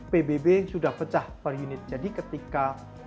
pbb sudah pecah per unit jadi ketika